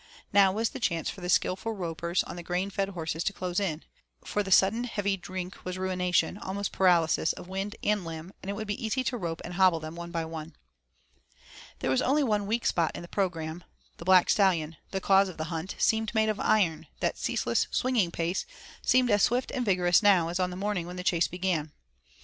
Now was the chance for the skilful ropers on the grain fed horses to close in, for the sudden heavy drink was ruination, almost paralysis, of wind and limb, and it would be easy to rope and hobble them one by one. There was only one weak spot in the programme, the Black Stallion, the cause of the hunt, seemed made of iron, that ceaseless swinging pace seemed as swift and vigorous now as on the morning when the chase began.